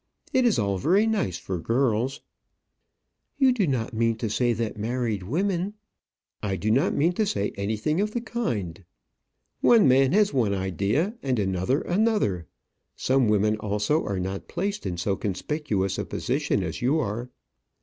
It is all very nice for girls." "You do not mean to say that married women " "I do not mean to say anything of the kind. One man has one idea, and another another. Some women also are not placed in so conspicuous a position as you are."